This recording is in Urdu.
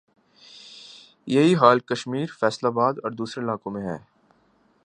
یہ ہی حال کشمیر، فیصل آباد اور دوسرے علاقوں میں ھے